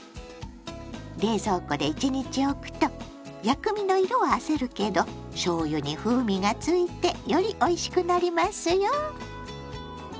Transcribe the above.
冷蔵庫で１日おくと薬味の色はあせるけどしょうゆに風味がついてよりおいしくなりますよ。